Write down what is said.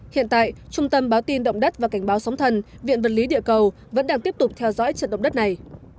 hiện tại trung tâm báo tin động đất và cảnh báo sóng thần viện vật lý địa cầu vẫn đang tiếp tục theo dõi trận động đất này